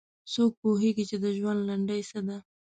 څوک پوهیږي چې د ژوند لنډۍ څه ده